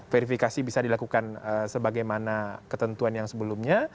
verifikasi bisa dilakukan sebagaimana ketentuan yang sebelumnya